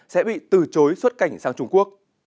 sẽ bị từ chối xuất cảnh sang trung quốc